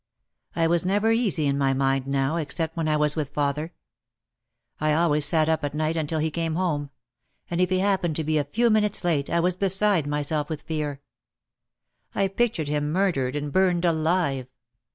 I was never easy in my mind now except when I was with father. I always sat up at night until he came home; and if he happened to be a few minutes late I was beside myself with fear. I pictured him mur dered and burned alive.